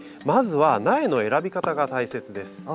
まずは苗の選び方が大切です。